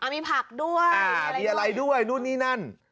มีผักด้วยมีอะไรด้วยนู่นนี่นั่น